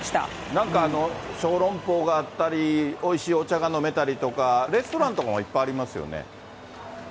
なんか小籠包があったり、おいしいお茶が飲めたりとか、レストランとかもいっぱいありますよね。